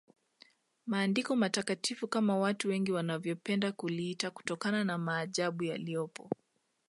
Maandiko Matakatifu kama watu wengi wanavyopenda kuliita kutokana na maajabu yaliyopo